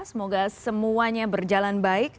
semoga semuanya berjalan baik